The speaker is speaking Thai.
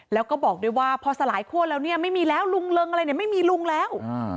แล้วก็บอกด้วยว่าพอสลายคั่วแล้วเนี่ยไม่มีแล้วลุงเริงอะไรเนี่ยไม่มีลุงแล้ว